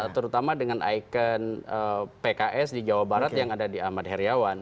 terutama dengan ikon pks di jawa barat yang ada di ahmad heriawan